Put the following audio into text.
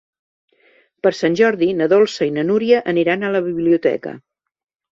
Per Sant Jordi na Dolça i na Núria aniran a la biblioteca.